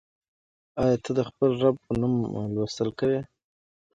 آیا ته د خپل رب په نوم لوستل کوې؟